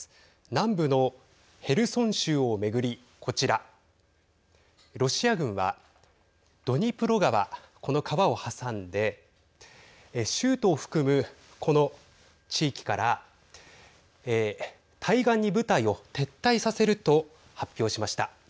南部のヘルソン州を巡りこちら、ロシア軍はドニプロ川、この川を挟んで州都を含む、この地域から対岸に部隊を撤退させると発表しました。